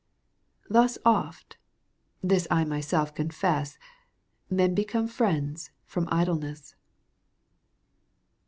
Thus oft — this I myself confess — Men become friends from idleness.